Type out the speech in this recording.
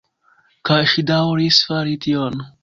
Kaj ŝi daŭris fari tion.